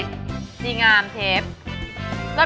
ดีงามเชฟ